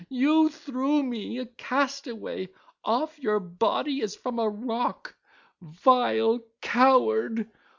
You threw me, a castaway, off your body as from a rock. Vile coward!